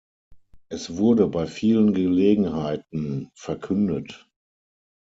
Es wurde bei vielen Gelegenheiten verkündet.